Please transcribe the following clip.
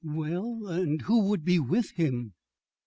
"Well, and who would be with him?